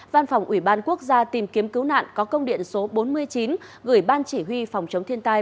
văn phòng ủy ban quốc gia tìm kiếm cứu nạn có công điện số bốn mươi chín gửi ban chỉ huy phòng chống thiên tai